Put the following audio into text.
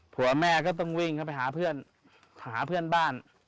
ผัวแม่ก็ต้องวิ่งเข้าไปหาเพื่อนหาเพื่อนบ้าน